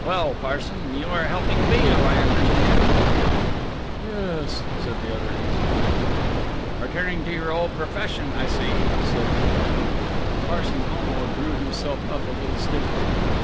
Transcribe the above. "Well, Parson, you are helping Mr. Beale, I understand?" "Yes," said the other easily. "Returning to your old profession, I see," said McNorton. Parson Homo drew himself up a little stiffly.